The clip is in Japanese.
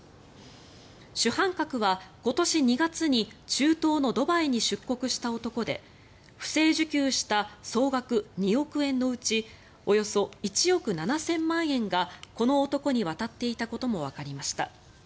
主犯格は今年２月に中東のドバイに出国した男で不正受給した総額２億円のうちおよそ１億７０００万円がこの男に渡っていたこともわかりました。